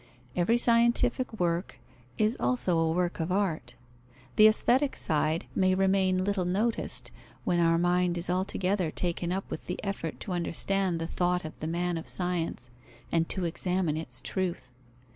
Every scientific work is also a work of art. The aesthetic side may remain little noticed, when our mind is altogether taken up with the effort to understand the thought of the man of science, and to examine its truth.